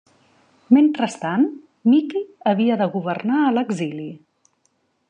Mentrestant, Mickie havia de governar a l'exili.